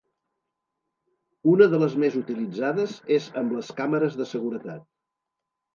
Una de les més utilitzades és amb les càmeres de seguretat.